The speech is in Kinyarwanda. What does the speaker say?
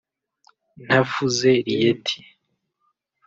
ntavuze Rieti